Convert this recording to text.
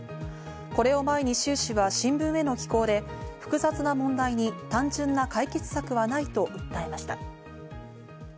これを前にシュウ氏は新聞への寄稿で、複雑な問題に単純な解決策はないと訴えました。